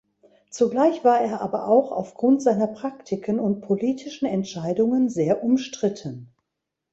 Zugleich war er aber auch aufgrund seiner Praktiken und politischen Entscheidungen sehr umstritten.